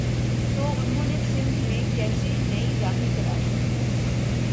تو انہوں نے سندھ میں کیسے نئی راہیں تلاش کیں۔